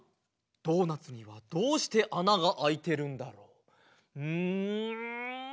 ドーナツにはどうしてあながあいてるんだろう？ん？